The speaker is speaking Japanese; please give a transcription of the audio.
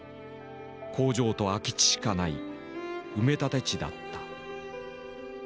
工場と空き地しかない埋め立て地だった。